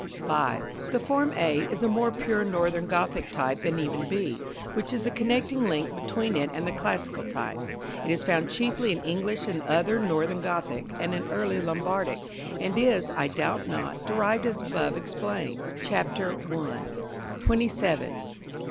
§ V. The form a is a more pure Northern Gothic type than even b, which is the connecting link between it and the classical type. It is found chiefly in English and other northern Gothic, and in early Lombardic, and is, I doubt not, derived as above explained, Chap. I. § XXVII.